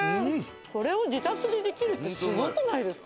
これを自宅でできるってすごくないですか？